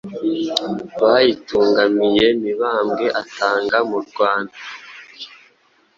Bayitungamiye Mibambwe atanga murwanda